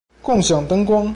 共享燈光